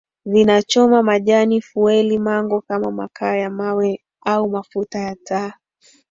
zinachoma majani fueli mango km makaa ya mawe au mafuta ya taa